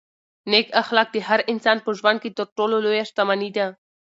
نېک اخلاق د هر انسان په ژوند کې تر ټولو لویه شتمني ده.